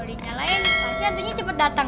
kalo di nyalain pasti hantunya cepet dateng